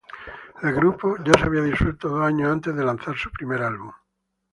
El grupo ya se había disuelto dos años antes de lanzar su primer álbum.